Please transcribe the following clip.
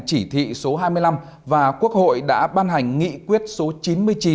chỉ thị số hai mươi năm và quốc hội đã ban hành nghị quyết số chín mươi chín